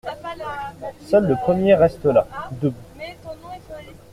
Seul le premier reste là, debout.